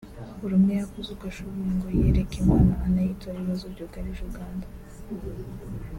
buri umwe yakoze uko ashoboye ngo yiyereke Imana anayiture ibibazo byugarije Uganda